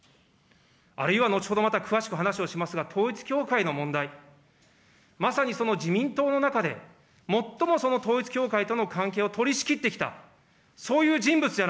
あるいはまた、後ほど詳しく話をしますが、統一教会の問題、まさにその自民党の中で、最も統一教会との関係を取りしきってきた、そういう人物じ